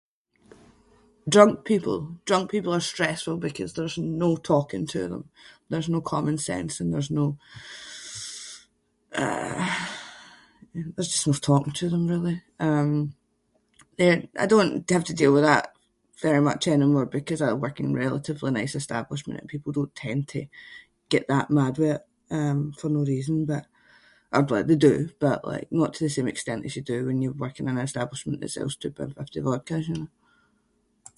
Drunk people. Drunk people are stressful because there’s no talking to them. There’s no common sense and there’s no, uh, um, there’s just no talking to them really. Um, [inc] I don’t have to deal with that very much anymore because I work in relatively nice establishment and people don’t tend to get that mad with it um for no reason but- or like they do but like not to the same extent as you do when you’re working in an establishment that sells two pound fifty vodkas, you know.